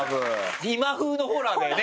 今風のホラーだよね